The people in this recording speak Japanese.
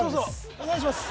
お願いします